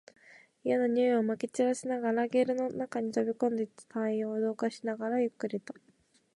嫌な臭いを撒き散らしながら、ゲルの中に飛び込んでいった隊員を同化しながら、ゆっくりと